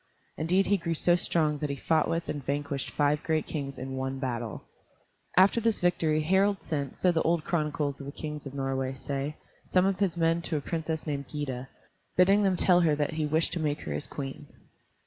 Indeed he grew so strong that he fought with and vanquished five great kings in one battle. After this victory, Harald sent, so the old chronicles of the kings of Norway say, some of his men to a princess named Gyda, bidding them tell her that he wished to make her his queen.